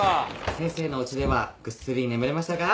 先生のおうちではぐっすり眠れましたか？